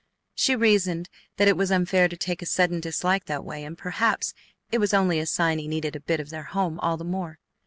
She reasoned that it was unfair to take a sudden dislike that way, and perhaps it was only a sign he needed a bit of their home all the more.